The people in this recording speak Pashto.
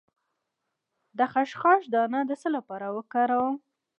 د خشخاش دانه د څه لپاره وکاروم؟